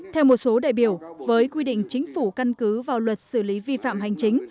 theo một số đại biểu với quy định chính phủ căn cứ vào luật xử lý vi phạm hành chính